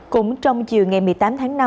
cũng trong chiều ngày một mươi tám tháng năm